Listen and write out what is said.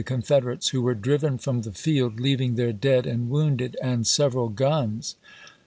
Confederates, who were driven from the field, leaving their dead and wounded and several guns.